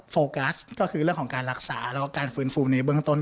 โฟกัสก็คือเรื่องของการรักษาแล้วก็การฟื้นฟูในเบื้องต้น